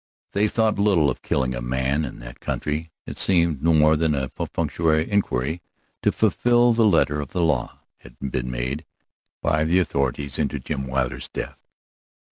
They thought little of killing a man in that country, it seemed; no more than a perfunctory inquiry, to fulfill the letter of the law, had been made by the authorities into Jim Wilder's death.